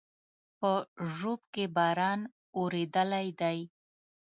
په ژوب کې باران اورېدلى دی